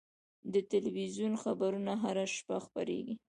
د تلویزیون خبرونه هره شپه خپرېږي.